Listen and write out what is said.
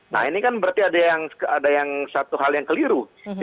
nah ini kan berarti ada yang satu hal yang keliru dalam sistem pemasarakatan kita